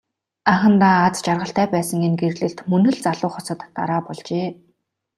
Анхандаа аз жаргалтай байсан энэ гэрлэлт мөн л залуу хосод дараа болжээ.